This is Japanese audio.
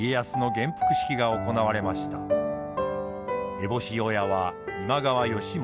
烏帽子親は今川義元。